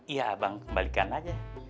ya bang kembalikan aja